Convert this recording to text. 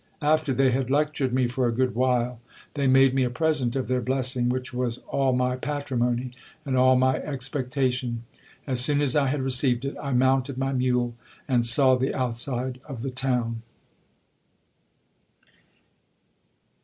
After they had lectured me for a good while, they made me a present of their blessing, which was all my patrimony and all my expectation. As soon as I had received it, I mounted my mule, and saw the outside of the town.